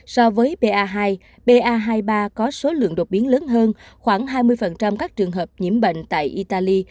so với ba hai ba mươi ba có số lượng đột biến lớn hơn khoảng hai mươi các trường hợp nhiễm bệnh tại italy